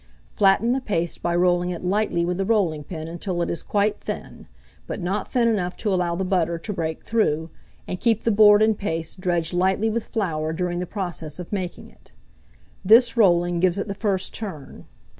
Flatten the paste by rolling it lightly with the rolling pin until it is quite thin, but not thin enough to allow the butter to break through, and keep the board and paste dredged lightly with flour during the process of making it. This rolling gives it the first turn.